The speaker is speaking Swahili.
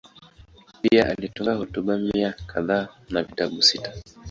Pia alitunga hotuba mia kadhaa na vitabu sita.